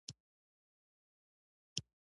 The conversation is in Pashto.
تر خبرو مخکې باید د خبرو په موضوع پوه واوسئ